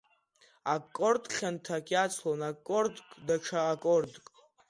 Аккорд хьанҭак иацлон аккордк, даҽа аккордк…